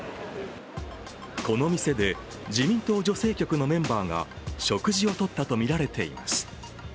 この店で自民党女性局のメンバーが食事をとったとみられています。